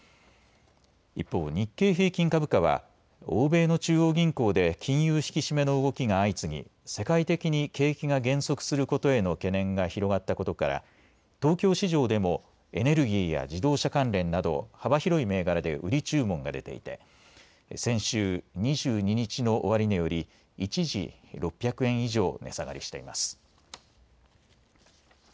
一方、日経平均株価は欧米の中央銀行で金融引き締めの動きが相次ぎ、世界的に景気が減速することへの懸念が広がったことから東京市場でもエネルギーや自動車関連など幅広い銘柄で売り注文が出ていて先週２２日の終値より一時、６００円以上、値下がりしています。